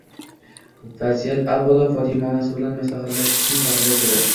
Vaziyat avvalo Fotima onasi bilan maslahatlashishni taqozo etadi.